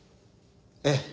ええ。